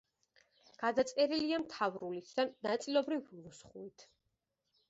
გადაწერილია მთავრულით და ნაწილობრივ ნუსხურით.